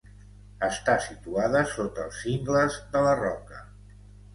Està situada sota els cingles de la Roca.